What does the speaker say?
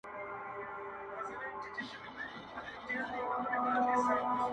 خدايه زما پر ځای ودې وطن ته بل پيدا که.